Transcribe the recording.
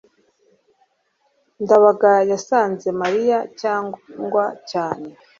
ndabaga yasanze mariya yangwa cyane